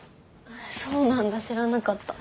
そうなんだ知らなかった。